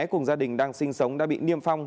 cùng gia đình đang sinh sống đã bị niêm phong